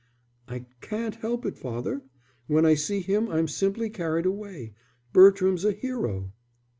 "I can't help it, father. When I see him I'm simply carried away. Bertram's a hero."